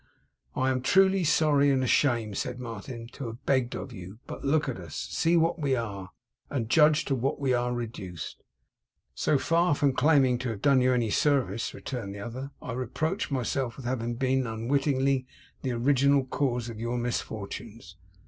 'I am truly sorry and ashamed,' said Martin, 'to have begged of you. But look at us. See what we are, and judge to what we are reduced!' 'So far from claiming to have done you any service,' returned the other, 'I reproach myself with having been, unwittingly, the original cause of your misfortunes.